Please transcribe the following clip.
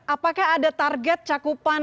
apakah ada target cakupan